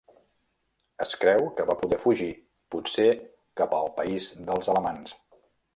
Es creu que va poder fugir potser cap al país dels alamans.